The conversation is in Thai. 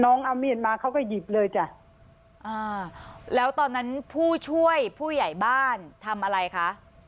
น้องเอามีดมาเขาก็หยิบเลยจ้ะอ่าแล้วตอนนั้นผู้ช่วยผู้ใหญ่บ้านทำอะไรคะ